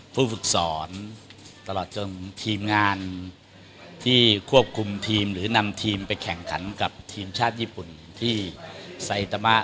ผู้ฝึกสอนตลอดจนทีมงานที่ควบคุมทีมหรือนำทีมไปแข่งขันกับทีมชาติญี่ปุ่นที่ไซตามะ